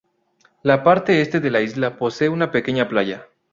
La parte este de la isla posee una pequeña playa.